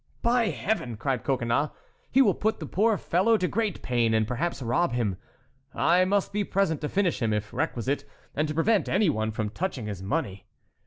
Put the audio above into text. "By Heaven!" cried Coconnas, "he will put the poor fellow to great pain, and, perhaps, rob him. I must be present to finish him, if requisite, and to prevent any one from touching his money."